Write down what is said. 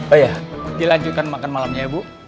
oh iya dilanjutkan makan malamnya ibu